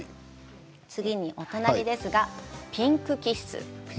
次にお隣ですが、ピンクキッス。